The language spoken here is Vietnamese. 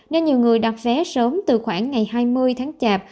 nên nhiều người đặt vé sớm từ khoảng ngày hai mươi tháng chạp